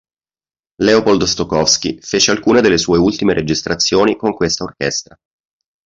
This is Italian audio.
Leopold Stokowski fece alcune delle sue ultime registrazioni con questa orchestra.